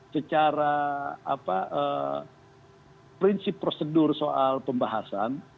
secara prinsip prosedur soal pembahasan